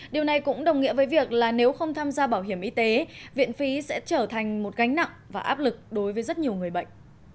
điều này cũng đồng nghĩa với việc là nếu không tham gia bảo hiểm y tế viện phí sẽ trở thành một gánh nặng và áp lực đối với rất nhiều người bệnh